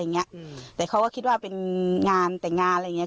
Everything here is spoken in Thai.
อย่างเงี้ยอืมแต่เขาก็คิดว่าเป็นงานแต่งานอะไรอย่างเงี้ย